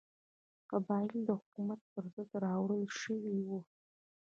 قبایل د حکومت پر ضد راولاړ شوي وو.